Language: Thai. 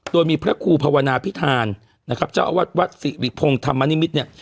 โดยมีพระครูภาวนาพิธานนะครับเจ้าอาวาสวัดสิริพงศ์ธรรมนิมิตรเนี่ย